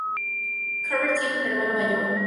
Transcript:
Carver tiene un hermano mayor.